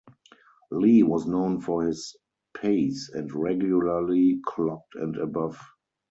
Lee was known for his pace and regularly clocked and above.